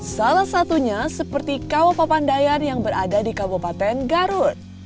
salah satunya seperti kawah papandayan yang berada di kabupaten garut